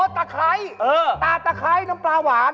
ตะไคร้ตาตะไคร้น้ำปลาหวาน